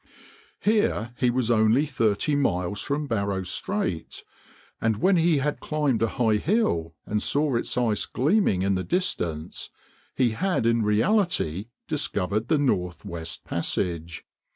Here he was only thirty miles from Barrow Strait; and when he had climbed a high hill and saw its ice gleaming in the distance, he had in reality discovered the Northwest Passage.